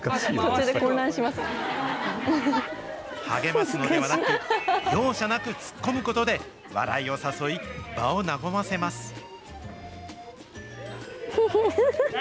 励ますのではなく、容赦なくツッコむことで笑いを誘い、場を和ませます。